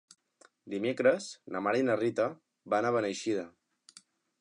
Dimecres na Mar i na Rita van a Beneixida.